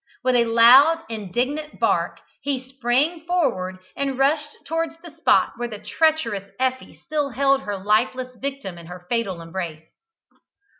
With a loud, indignant bark, he sprang forward, and rushed towards the spot where the treacherous Effie still held her lifeless victim in her fatal embrace.